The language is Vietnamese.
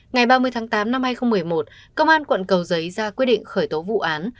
ngày ba mươi tháng tám năm hai nghìn một mươi một công an quận cầu giấy ra quyết định khởi tố vụ án